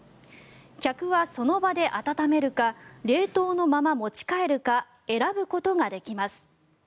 客はその場で温めるか冷凍のまま持ち帰るか選ぶことができます。